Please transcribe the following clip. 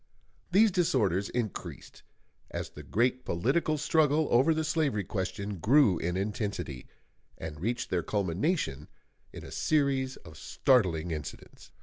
These disorders increased as the great political struggle over the slavery question grew in intensity, and reached their culmination in a series of startling incidents.